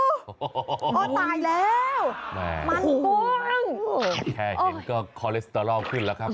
พ่อตายแล้วมันกุ้งแค่เห็นก็คอเลสเตอรอลขึ้นแล้วครับ